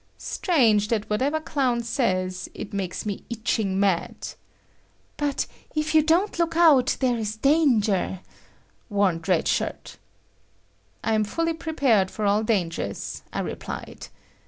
Strange that whatever Clown says, it makes me itching mad. "But, if you don't look out, there is danger," warned Red Shirt. "I am fully prepared for all dangers," I replied.